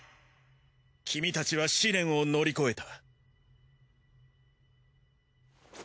君たちは試練を乗り越えた。